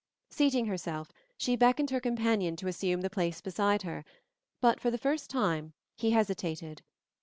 Seating herself, she beckoned her companion to assume the place beside her, but for the first time he hesitated.